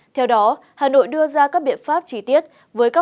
theo đó hà nội đưa ra các biện pháp trí tiết với các